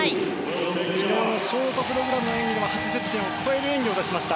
昨日のショートプログラムの演技では８０点を超える演技を見せました。